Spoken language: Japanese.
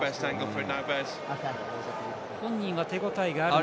本人は手応えがあるのか。